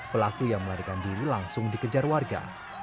pelaku yang melarikan diri langsung dikejar warga